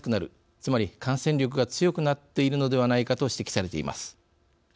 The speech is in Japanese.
つまり感染力が強くなっているのではないかと指摘されています。